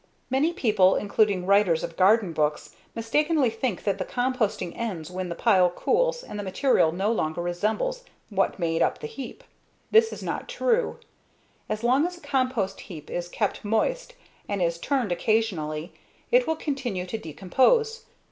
Many people, including writers of garden books, mistakenly think that the composting ends when the pile cools and the material no longer resembles what made up the heap. This is not true. As long as a compost heap is kept moist and is turned occasionally, it will continue to decompose.